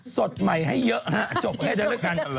สดใหม่ให้เยอะจบให้เจอแล้วกัน